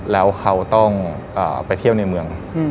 แล้วเขาต้องไปเที่ยวในเมือง